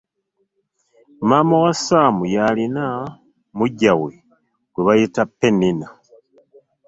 Maama wa Saamu yalina mujja we gwebayita Penina.